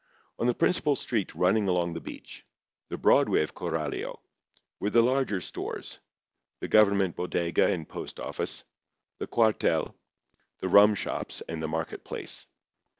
On the principal street running along the beach—the Broadway of Coralio—were the larger stores, the government bodega and post office, the cuartel, the rum shops and the market place.